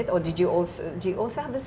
atau anda juga memiliki kemampuan